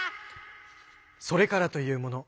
それからというもの